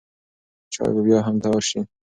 چای به بیا هم تیار شي.